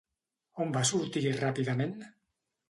On va sortir ràpidament?